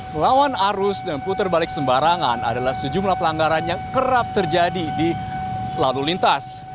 melawan arus dan putar balik sembarangan adalah sejumlah pelanggaran yang kerap terjadi di lalu lintas